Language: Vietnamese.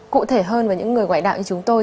cụ thể hơn với những người ngoại đạo như chúng tôi